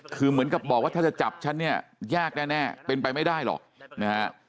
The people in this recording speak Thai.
คือเหมือนกับบอกว่าถ้าจะจับฉันเนี่ยยากแน่เป็นไปไม่ได้หรอกนะฮะ